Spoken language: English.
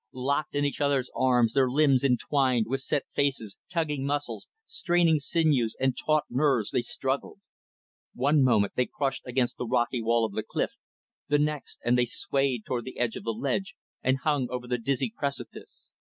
Locked in each other's arms, their limbs entwined, with set faces, tugging muscles, straining sinews, and taut nerves they struggled. One moment they crushed against the rocky wall of the cliff the next, and they swayed toward the edge of the ledge and hung over the dizzy precipice.